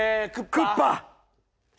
クッパ！